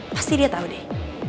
pasti dia tau deh